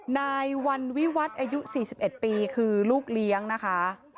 นายวันวิวัฒน์อายุ๔๑ปีคือลูกเลี้ยงนะคะ